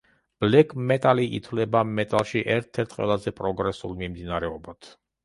ბლეკ მეტალი ითვლება მეტალში ერთ-ერთ ყველაზე პროგრესულ მიმდინარეობად.